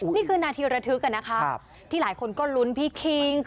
นี่คือนาทีระทึกนะคะที่หลายคนก็ลุ้นพี่คิง